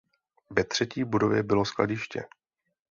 Ve třetí budově bylo skladiště.